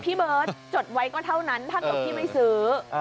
พี่เบิร์ตจดไว้ก็เท่านั้นถ้าเกิดพี่ไม่ซื้อ